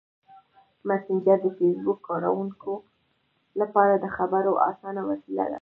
مسېنجر د فېسبوک کاروونکو لپاره د خبرو اسانه وسیله ده.